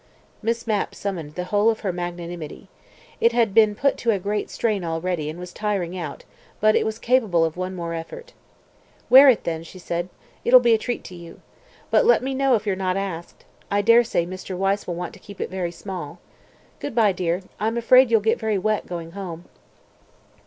Miss Mapp summoned the whole of her magnanimity. It had been put to a great strain already and was tired out, but it was capable of one more effort. "Wear it then," she said. "It'll be a treat to you. But let me know if you're not asked. I daresay Mr. Wyse will want to keep it very small. Good bye, dear; I'm afraid you'll get very wet going home."